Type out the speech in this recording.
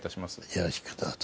よろしくどうぞ。